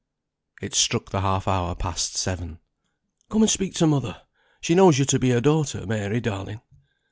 It struck the half hour past seven. "Come and speak to mother; she knows you're to be her daughter, Mary, darling."